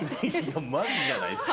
マジじゃないですか。